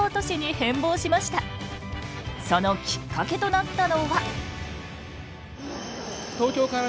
そのきっかけとなったのは。